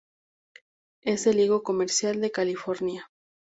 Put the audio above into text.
Es el higo comercial de California.